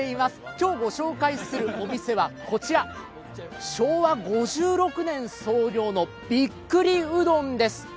今日ご紹介するお店はこちら、昭和５６年創業のびっくりうどんです。